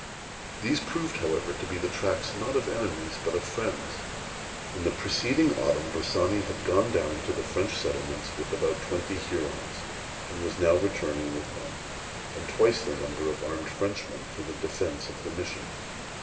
These proved, however, to be the tracks, not of enemies, but of friends. In the preceding autumn Bressani had gone down to the French settlements with about twenty Hurons, and was now returning with them, and twice their number of armed Frenchmen, for the defence of the mission.